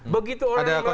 begitu orang yang melakukan